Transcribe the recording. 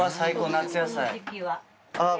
夏野菜。